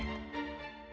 jadi aku mau ngambil masker